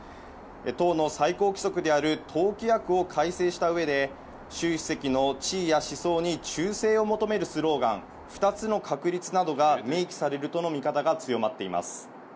党の最高規則である党規約を改正した上で、シュウ主席の地位や思想に忠誠を求めるスローガン「二つの確立」などが明記されるとの見方が強まっています。